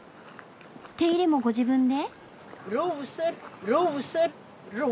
手入れもご自分で？